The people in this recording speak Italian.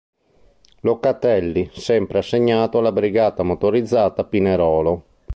Locatelli" sempre assegnato alla Brigata motorizzata "Pinerolo".